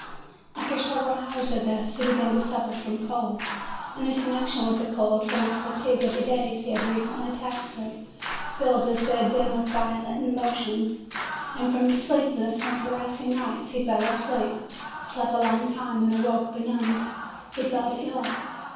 After several hours of this he began to suffer from cold, and in connection with the cold, from the fa tigue of the days he had recently passed through, filled as they had been with violent emotions, and from sleepless and harrassing nights. He fell asleep, slept a long time, and awoke benumbed. He felt ill.